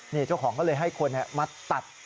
เนี่ยชั่วของก็เลยให้คนมาตัด